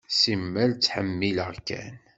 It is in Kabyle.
Simmal ttḥemmileɣ-ken.